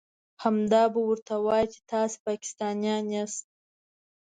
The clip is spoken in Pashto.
همدا به ورته وايئ چې تاسې پاکستانيان ياست.